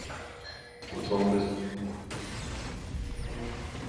Cuatro hombres del pueblo murieron en la Segunda Guerra Mundial.